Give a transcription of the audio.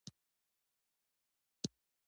داسې به يې تور کړم لکه زما برخليک!